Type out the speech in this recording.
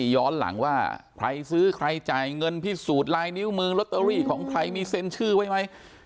ย้อนหลังว่าใครซื้อใครจ่ายเงินพิสูจน์ลายนิ้วมือลอตเตอรี่ของใครมีเซ็นชื่อไว้ไหม